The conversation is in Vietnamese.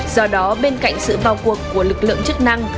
do đó bên cạnh sự vào cuộc của lực lượng chức năng